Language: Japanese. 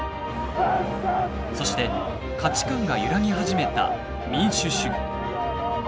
そして価値観が揺らぎ始めた民主主義。